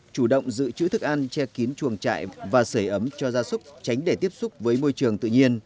chủ động giữ chữ thức ăn che kín chuồng trại và sửa ấm cho gia súc tránh để tiếp xúc với môi trường tự nhiên